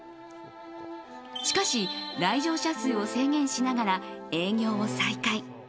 しかし来場者数を制限しながら営業を再開。